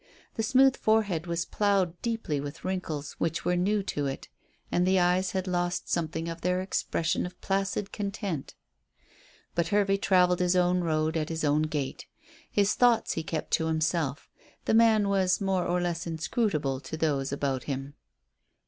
The smooth forehead was ploughed deeply with wrinkles which were new to it, and the eyes had lost something of their expression of placid content. But Hervey travelled his own road at his own gait. His thoughts he kept to himself. The man was more or less inscrutable to those about him.